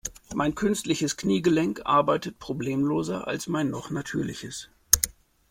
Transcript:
Mein künstliches Kniegelenk arbeitet problemloser als mein noch natürliches.